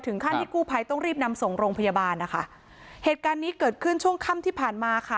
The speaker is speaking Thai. ขั้นที่กู้ภัยต้องรีบนำส่งโรงพยาบาลนะคะเหตุการณ์นี้เกิดขึ้นช่วงค่ำที่ผ่านมาค่ะ